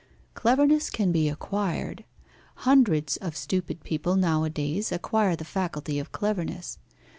Cleverness can be acquired. Hundreds of stupid people nowadays acquire the faculty of cleverness.